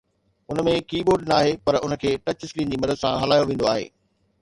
ان ۾ keyboard نه آهي پر ان کي ٽچ اسڪرين جي مدد سان هلايو ويندو آهي